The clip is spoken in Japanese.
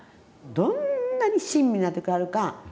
どんなに親身になってくれはるか。